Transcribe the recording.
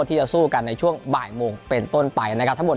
ที่จะสู้กันในช่วงบ่ายโมงเป็นต้นไปนะครับทั้งหมด